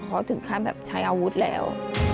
เขาถึงขั้นแบบใช้อาวุธแล้ว